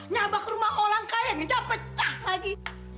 nyabak rumah orang kaya ngencah pecah lagi